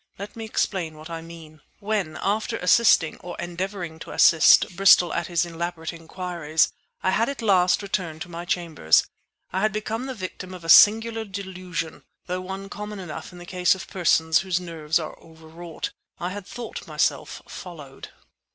Let me explain what I mean. When, after assisting, or endeavouring to assist, Bristol at his elaborate inquiries, I had at last returned to my chambers, I had become the victim of a singular delusion—though one common enough in the case of persons whose nerves are overwrought. I had thought myself followed.